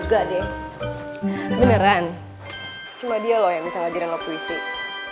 gua seneng banget deh semalem kita bisa jalan bareng